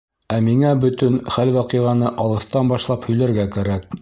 Ә миңә бөтөн хәл-ваҡиғаны алыҫтан башлап һөйләргә кәрәк.